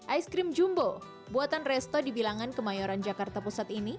ice cream jumbo buatan resto di bilangan kemayoran jakarta pusat ini